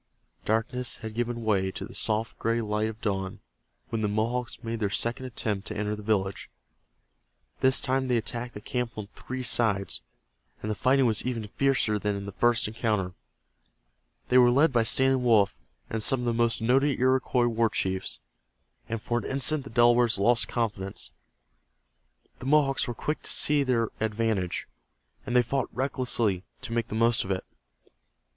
Darkness had given way to the soft gray light of dawn when the Mohawks made their second attempt to enter the village. This time they attacked the camp on three sides, and the fighting was even fiercer than in the first encounter. They were led by Standing Wolf and some of the most noted Iroquois war chiefs, and for an instant the Delawares lost confidence. The Mohawks were quick to see their advantage, and they fought recklessly to make the most of it.